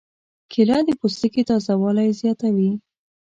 کېله د پوستکي تازه والی زیاتوي.